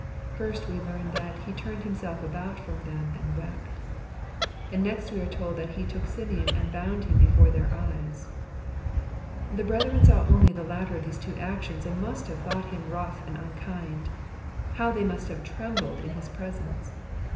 First, we learn that " he turned himself about from them and wept n ; and next we are told that he " took Simeon and bound him before their eyes." The brethren saw only the latter of these two actions, and must have thought him rough and unkind. How they must have trembled in his presence